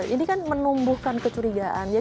ini kan menumbuhkan kecurigaan